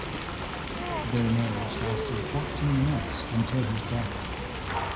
Their marriage lasted fourteen months until his death.